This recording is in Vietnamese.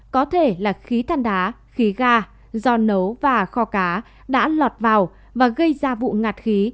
có thể là khí than đá khí ga do nấu và kho cá đã lọt vào và gây ra vụ ngạt khí